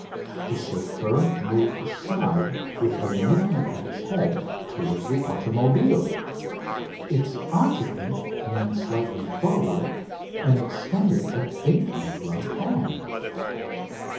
The chauffeur moved aside with a movement of his head towards the automobile. Its occupant leaned slightly forward, and extended a daintily gloved hand.